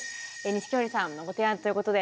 錦織さんのご提案ということで。